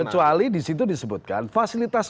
kecuali di situ disebutkan fasilitas